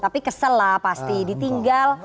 tapi kesel lah pasti ditinggal